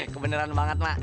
kebeneran banget mak